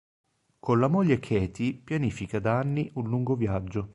Con la moglie Katie pianifica da anni un lungo viaggio.